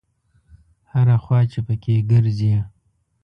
هره خوا چې په کې ګرځې.